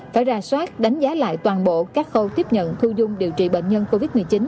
phải ra soát đánh giá lại toàn bộ các khâu tiếp nhận thu dung điều trị bệnh nhân covid một mươi chín